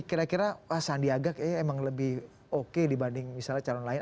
kira kira sandiaga kayaknya emang lebih oke dibanding misalnya calon lain